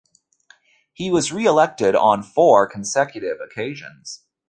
He was re-elected on four consecutive occasions.